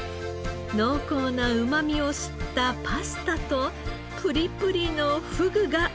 濃厚なうまみを吸ったパスタとプリプリのふぐがたまりません。